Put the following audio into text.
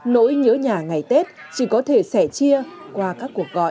nỗi nhớ nhà ngày tết chỉ có thể sẻ chia qua các cuộc gọi